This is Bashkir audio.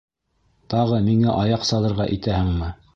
Тағы миңә аяҡ салырға итәһеңме?